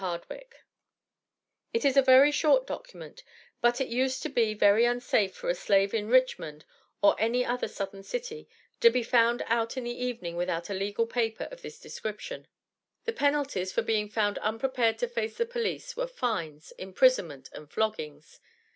W. HARDWICK." It is a very short document, but it used to be very unsafe for a slave in Richmond, or any other Southern city, to be found out in the evening without a legal paper of this description. The penalties for being found unprepared to face the police were fines, imprisonment and floggings.